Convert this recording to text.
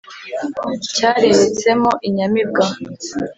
Cyareretsemo inyamibwa,